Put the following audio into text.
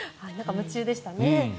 夢中でしたね。